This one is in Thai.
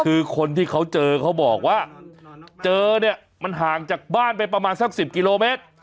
คือคนที่เขาเจอเขาบอกว่าเจอเนี่ยมันห่างจากบ้านไปประมาณสัก๑๐กิโลเมตร